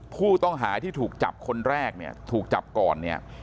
ผู้ต้องหาที่ถูกจับคนแรกเนี่ยถูกจับก่อนเนี่ย